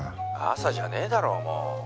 「朝じゃねえだろもう」